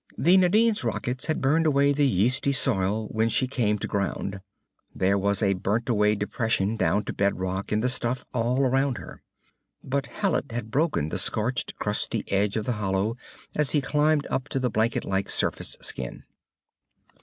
The Nadine's rockets had burned away the yeasty soil when she came to ground. There was a burnt away depression down to bed rock in the stuff all around her. But Hallet had broken the scorched, crusty edge of the hollow as he climbed up to the blanket like surface skin.